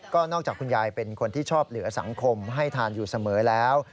ก็นอกจากคุณยายเป็นคนที่ชอบเหลือสังคมให้ทานอยู่เสมอแล้ว